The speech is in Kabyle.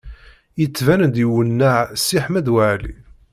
Yettban-d iwenneɛ Si Ḥmed Waɛli.